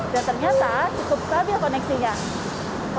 dan ternyata cukup stabil koneksinya